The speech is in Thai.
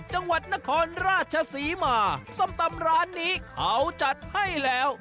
จังหวัดนครราชศรีมาส้มตำร้านนี้เขาจัดให้แล้ว